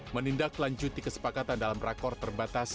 menindak lanjuti kesepakatan dalam rakor terbatas